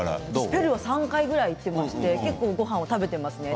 ペルーは３回ぐらい行っていまして結構、食べていますね。